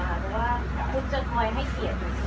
แต่ว่าคุณจะคอยให้เกียรติ